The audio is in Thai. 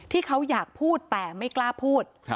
ที่เขาอยากพูดแต่ไม่กล้าพูด